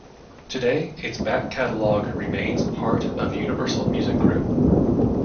Today its back catalog remains part of Universal Music Group.